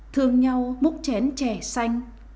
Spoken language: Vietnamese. thương nhau múc chén chè xanh